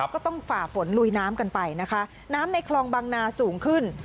ก็ต้องฝ่าฝนลุยน้ำกันไปน้ำในคลองบางนาสูงขึ้น